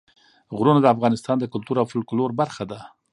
غرونه د افغانستان د کلتور او فولکلور برخه ده.